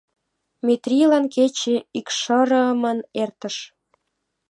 Метрийлан кече икшырымын эртыш.